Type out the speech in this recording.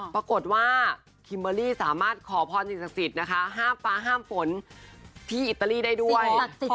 ปรากฏว่าคิมเบอรี่สามารถขอความจริงสักสิทธินะคะห้ามปลาห้ามฝนที่อิตาลีได้ด้วย